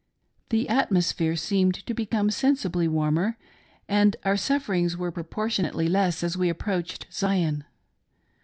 The atmosphere seemed to become sensibly warmer, and our sufferings were proportionately less as we approached Zion.